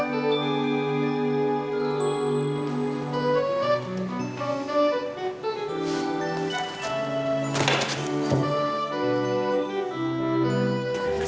aku mau pergi